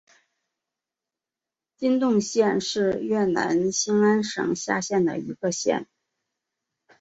金洞县是越南兴安省下辖的一个县。